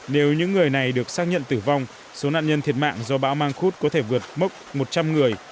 nếu những người này được xác nhận tử vong số nạn nhân thiệt mạng do bão mang khúc có thể vượt mốc một trăm linh người